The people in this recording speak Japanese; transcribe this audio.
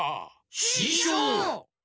ししょう！